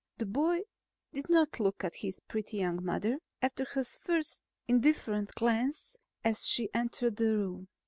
The boy did not look at his pretty young mother after his first indifferent glance as she entered the room.